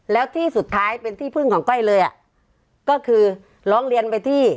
แล้วที่สุดท้ายเป็นที่พึ่งของก้อยเลยอ่ะก็คือร้องเรียนไปที่